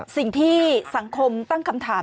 สิ่งที่สังคมตั้งคำถาม